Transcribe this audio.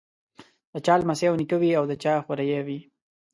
د چا لمسی او نیکه وي او د چا خوريی وي.